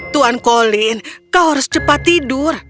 tuan colin kau harus cepat tidur